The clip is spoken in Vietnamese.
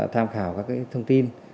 tham khảo các thông tin